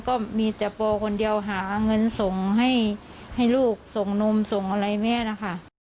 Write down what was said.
ก็มีแต่ปอคนเดียวหาเงินส่งให้ลูกส่งนมส่งอะไรแม่นะคะ